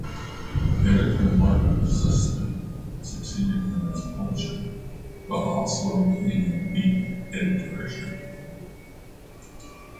Editor Mark Zusman succeeded him as publisher, while also retaining the editorship.